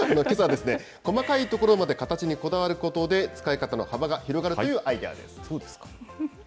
けさは細かいところにまで形にこだわることで使い方の幅が広がるというアイデアです。